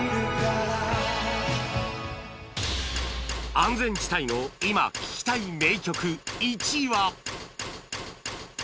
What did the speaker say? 安全地帯の今聴きたい名曲１位は